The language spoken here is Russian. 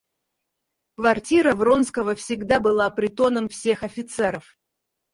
Квартира Вронского всегда была притоном всех офицеров.